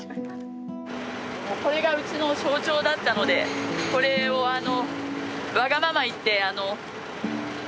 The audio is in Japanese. これがうちの象徴だったのでこれをあの。